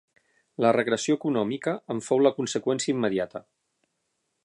La regressió econòmica en fou la conseqüència immediata.